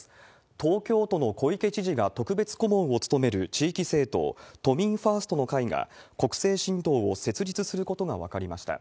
東京都の小池知事が特別顧問を務める地域政党、都民ファーストの会が、国政新党を設立することが分かりました。